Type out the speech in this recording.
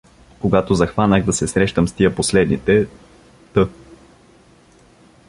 Когато захванах да се срещам с тия последните, т.